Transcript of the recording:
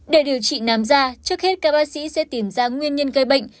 để điều trị nám da trước hết các bác sĩ sẽ tìm ra nguyên nhân gây bệnh